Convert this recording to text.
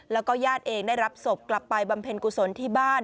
แล้วก็ญาติเองได้รับศพกลับไปบำเพ็ญกุศลที่บ้าน